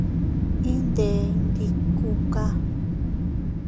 Iyndè ndikuka.